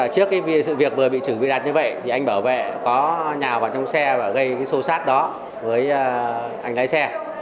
trước việc vừa bị chửi vừa đặt như vậy thì anh bảo vệ có nhào vào trong xe và gây sâu sát đó với anh lái xe